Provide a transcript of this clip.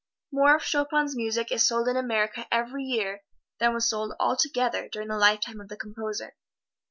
More of Chopin's music is sold in America every year than was sold altogether during the lifetime of the composer.